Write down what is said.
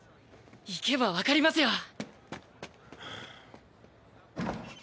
行けばわかりますよ！